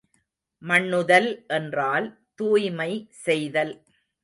மண்ணுதல் என்றால் தூய்மை செய்தல்.